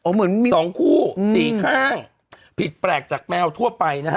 เหมือนมีสองคู่สี่ข้างผิดแปลกจากแมวทั่วไปนะฮะ